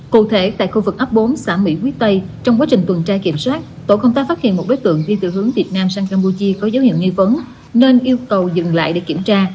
cụ thể tại khu vực ấp bốn xã mỹ quý tây trong quá trình tuần tra kiểm soát tổ công tác phát hiện một đối tượng đi từ hướng việt nam sang campuchia có dấu hiệu nghi vấn nên yêu cầu dừng lại để kiểm tra